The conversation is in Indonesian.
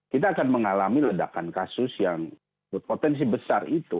kita akan mengalami ledakan kasus yang berpotensi besar itu